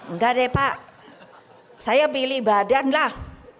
enggak deh pak saya pilih badan lah